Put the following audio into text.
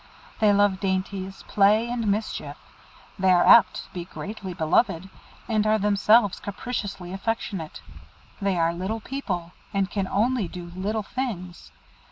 They love dainties, play, and mischief. They are apt to be greatly beloved, and are themselves capriciously affectionate. They are little people, and can only do little things.